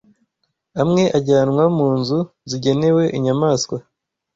amwe ajyanwa mu nzu zigenewe inyamaswa